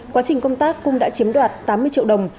quá trình công tác cung đã chiếm đoạt tám mươi triệu đồng